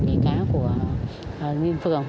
nghỉ cá của nhiên phường